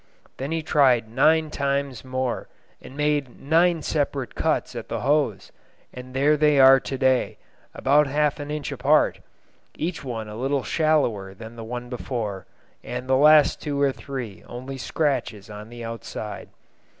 Then he tried nine times more, and made nine separate cuts at the hose; and there they are to day, about half an inch apart, each one a little shallower than the one before, and the last two or three only scratches on the outside.